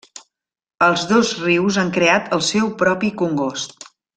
Els dos rius han creat el seu propi congost.